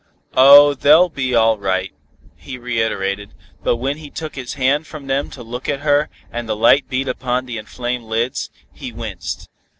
"Oh, they'll be all right," he reiterated, but when he took his hand from them to look at her, and the light beat upon the inflamed lids, he winced.